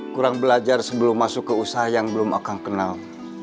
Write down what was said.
kurang belajar sebelum masuk ke usaha yang belum akang kenal